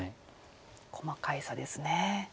細かい差ですね。